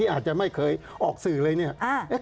อาจจะไม่เคยออกสื่อเลยเนี่ย